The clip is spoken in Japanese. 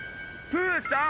プーさん。